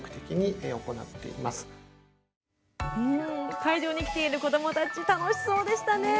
会場に来ている子どもたち楽しそうでしたね。